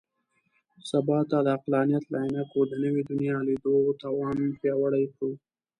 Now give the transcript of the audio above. سبا ته د عقلانیت له عینکو د نوي دنیا لیدو توان پیاوړی کړو.